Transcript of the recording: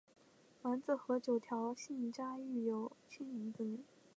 完子和九条幸家育有七名子女。